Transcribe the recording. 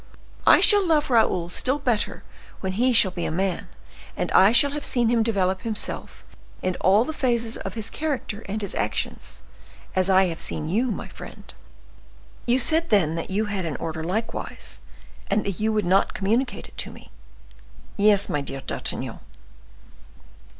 "I shall love Raoul still better when he shall be a man, and I shall have seen him develop himself in all the phases of his character and his actions—as I have seen you, my friend." "You said, then, that you had an order likewise, and that you would not communicate it to me." "Yes, my dear D'Artagnan."